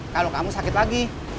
kalau kamu sakit lagi